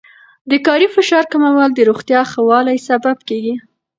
د کاري فشار کمول د روغتیا ښه والي سبب کېږي.